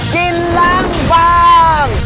กินลังบ้าง